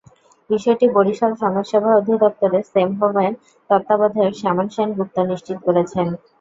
বিষয়টি বরিশাল সমাজসেবা অধিদপ্তরের সেফ হোমের তত্ত্বাবধায়ক শ্যামল সেন গুপ্ত নিশ্চিত করেছেন।